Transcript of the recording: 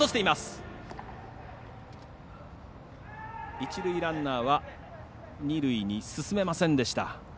一塁ランナーは二塁に進めませんでした。